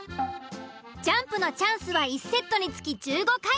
ジャンプのチャンスは１セットにつき１５回。